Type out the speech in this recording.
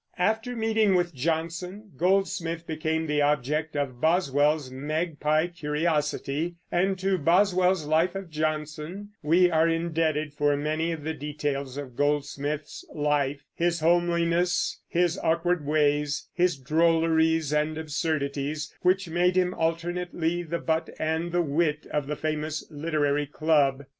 After meeting with Johnson, Goldsmith became the object of Boswell's magpie curiosity; and to Boswell's Life of Johnson we are indebted for many of the details of Goldsmith's life, his homeliness, his awkward ways, his drolleries and absurdities, which made him alternately the butt and the wit of the famous Literary Club.